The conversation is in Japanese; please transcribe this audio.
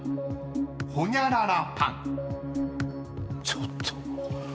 ちょっと。